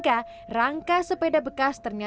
jadi kita akan mulai di notas ini